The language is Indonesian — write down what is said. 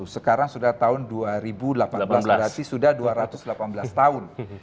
sekarang sudah tahun dua ribu delapan belas berarti sudah dua ratus delapan belas tahun